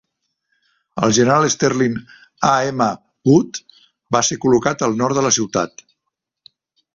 El general Sterling A. M. Wood va ser col·locat al nord de la ciutat.